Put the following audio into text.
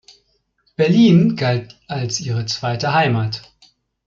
Berlin galt als ihre zweite Heimat.